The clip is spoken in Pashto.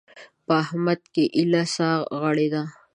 په احمد کې ايله سا غړېده.